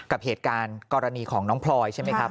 กับเหตุการณ์กรณีของน้องพลอยใช่ไหมครับ